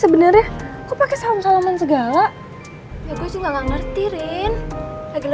biar sama sama enak nih